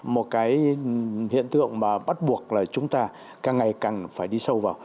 một hiện tượng bắt buộc chúng ta càng ngày càng phải đi sâu vào